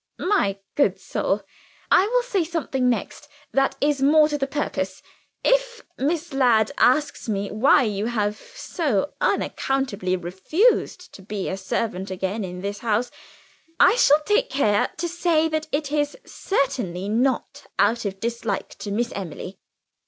"My good soul, I will say something next that is more to the purpose. If Miss Ladd asks me why you have so unaccountably refused to be a servant again in this house, I shall take care to say that it is certainly not out of dislike to Miss Emily."